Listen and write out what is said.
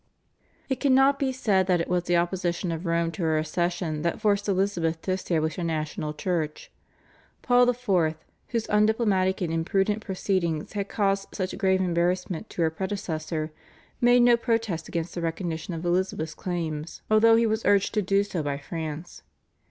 It cannot be said that it was the opposition of Rome to her accession that forced Elizabeth to establish a national church. Paul IV., whose undiplomatic and imprudent proceedings had caused such grave embarrassment to her predecessor, made no protest against the recognition of Elizabeth's claims, although he was urged to do so by France.